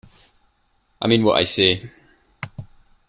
I mean what I say.